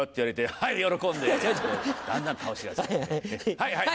はいはい。